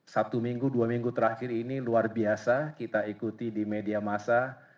satu minggu dua minggu terakhir ini luar biasa kita ikuti di media masa